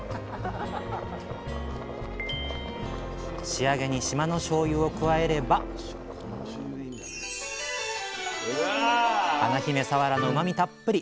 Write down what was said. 仕上げに島のしょうゆを加えれば華姫さわらのうまみたっぷり！